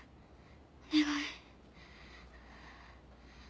お願い。